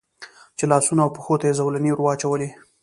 چې لاسونو او پښو ته یې زولنې را واچولې.